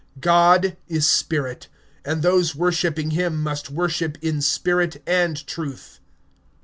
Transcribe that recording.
(24)God is spirit; and they that worship him, must worship in spirit and in truth.